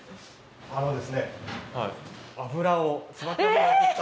あのですねええ！？